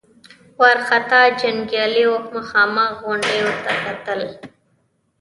وارخطا جنګياليو مخامخ غونډيو ته کتل.